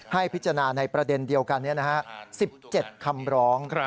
ให้พิจารณาในประเด็นเดียวกัน๑๗คำร้อง